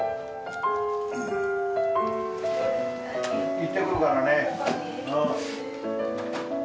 行ってくるからね。